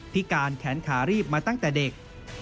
พิการแขนขารีบมาตั้งแต่เด็ก